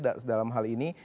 dalam hal ini